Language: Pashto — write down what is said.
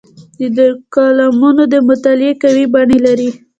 د دوی کالمونه د مطالعې قوي بڼې لري.